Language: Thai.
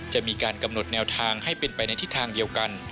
จะมีการกำหนดแนวทางให้เป็นไปในทิศทางเดียวกัน